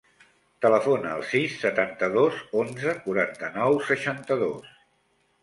Telefona al sis, setanta-dos, onze, quaranta-nou, seixanta-dos.